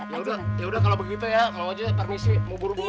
yaudah yaudah kalau begitu ya mau aja permisi mau buru buru